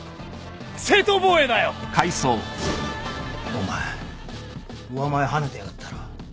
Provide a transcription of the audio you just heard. お前上前はねてやがったろ？